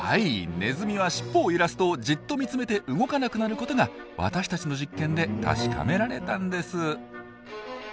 ネズミはしっぽを揺らすとじっと見つめて動かなくなることが私たちの実験で確かめられたんです。